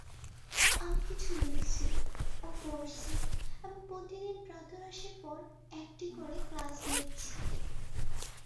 আমি কিছু কিছু লিখছি ও পড়ছি এবং প্রতিদিন প্রাতঃরাশের পর একটি করে ক্লাস নিচ্ছি।